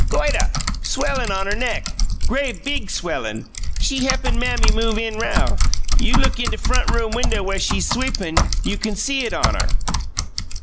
"Goituh. Swellin' on her neck grea' big swellin'. She heppin' mammy move in now. You look in de front room winduh wheres she sweepin'; you kin see it on her."